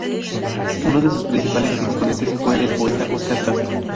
Uno de sus principales exponentes fue el poeta Óscar Castro.